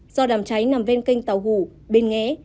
do đám cháy nằm ven kênh tàu hù bên nghé